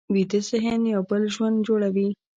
ویده ذهن یو بل ژوند جوړوي